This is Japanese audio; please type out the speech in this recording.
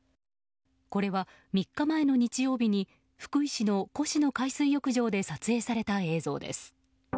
これは３日前の日曜日に福井市の越廼海水浴場で撮影された映像です。